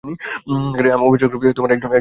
অমিয় চক্রবর্তী একজন বাঙালি সাহিত্যিক।